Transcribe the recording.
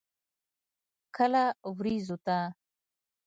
کله ورېځو ته.